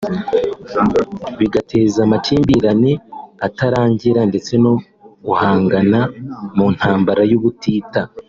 bigateza amakimbirane atarangira ndetse no guhangana mu ntambara y’ubutita